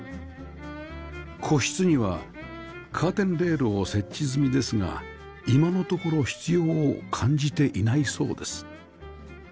個室にはカーテンレールを設置済みですが今のところ必要を感じていないそうです